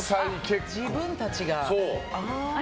自分たちが。ああ。